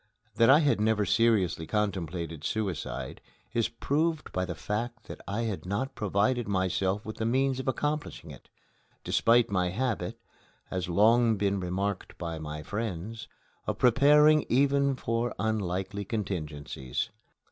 That I had never seriously contemplated suicide is proved by the fact that I had not provided myself with the means of accomplishing it, despite my habit, has long been remarked by my friends, of preparing even for unlikely contingencies.